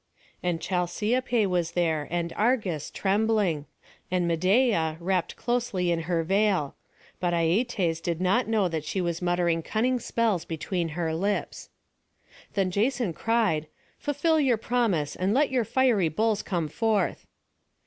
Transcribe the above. And Chalciope was there and Argus, trembling, and Medeia, wrapped closely in her veil; but Aietes did not know that she was muttering cunning spells between her lips. Then Jason cried, "Fulfil your promise, and let your fiery bulls come forth."